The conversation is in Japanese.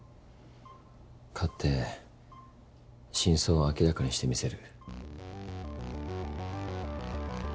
勝って真相を明らかにしてみせる。